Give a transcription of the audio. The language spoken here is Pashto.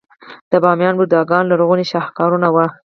د بامیان بوداګان لرغوني شاهکارونه وو